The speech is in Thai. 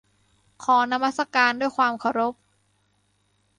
ขอนมัสการด้วยความเคารพ